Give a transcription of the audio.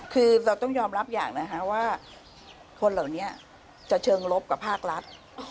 คือเราต้องยอมรับอย่างนะคะว่าคนเหล่านี้จะเชิงลบกับภาครัฐ